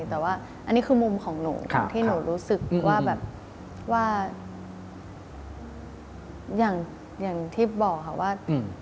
แต่ว่าอันนี้คือมุมของหนูที่หนูรู้สึกว่าแบบว่าอย่างที่บอกค่ะว่า